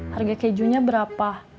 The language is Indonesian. harga kejunya berapa